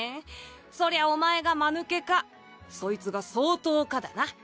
そりゃお前がまぬけかそいつが相当かだな。